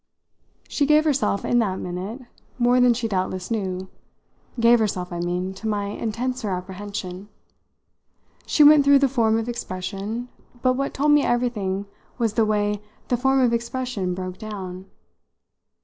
She gave herself, in that minute, more than she doubtless knew gave herself, I mean, to my intenser apprehension. She went through the form of expression, but what told me everything was the way the form of expression broke down.